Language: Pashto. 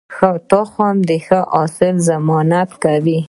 ښه تخم د ښه حاصل ضمانت کوي.